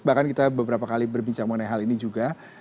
bahkan kita beberapa kali berbincang mengenai hal ini juga